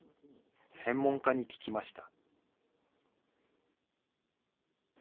専門家に聞きました。